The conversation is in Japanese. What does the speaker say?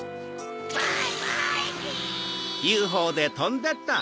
バイバイキン！